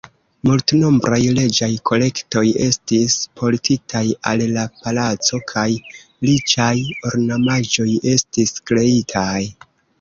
Multnombraj reĝaj kolektoj estis portitaj al la palaco kaj riĉaj ornamaĵoj estis kreitaj.